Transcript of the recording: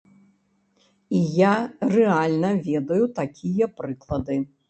І я рэальна ведаю такія прыклады.